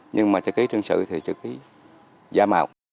nhưng mà chữ ký đơn sử thì chữ ký giả mạo